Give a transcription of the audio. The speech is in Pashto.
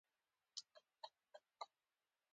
امیر د برټانوي استازي پر ځای خپل استازی لېږل غوره وبلل.